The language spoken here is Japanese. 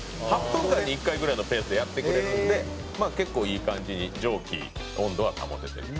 「８分間に１回ぐらいのペースでやってくれるんでまあ結構いい感じに蒸気温度は保ててる」